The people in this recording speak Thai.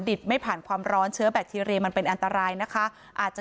ไม่ผ่านความร้อนเชื้อแบคทีเรียมันเป็นอันตรายนะคะอาจจะ